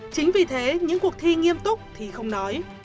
chính vì thế những cuộc thi nghiêm túc thì không nói